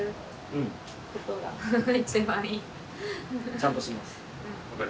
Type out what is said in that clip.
ちゃんとします。